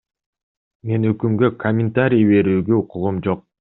Мен өкүмгө комментарий берүүгө укугум жок.